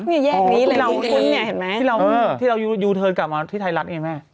เนี่ยแยกนี้เลยเราคุ้นเนี่ยเห็นไหมที่เรายูเทิร์นกลับมาที่ไทยรัฐไงแม่